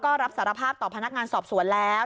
ก็รับสารภาพต่อพนักงานสอบสวนแล้ว